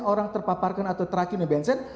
orang terpaparkan atau teracuni benzen